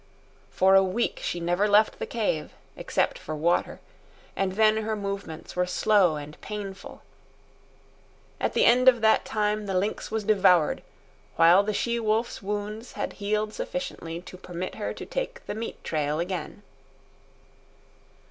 For a week she never left the cave, except for water, and then her movements were slow and painful. At the end of that time the lynx was devoured, while the she wolf's wounds had healed sufficiently to permit her to take the meat trail again.